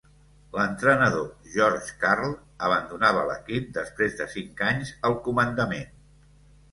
L'entrenador, George Karl, abandonava l'equip després de cinc anys al comandament.